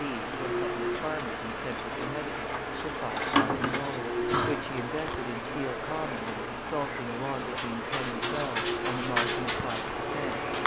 b. to a couple of farmers in central Connecticut for five thousand dollars, which he invested in Steel Common when it was sulking along between 10 and 12 on a margin of five per cent.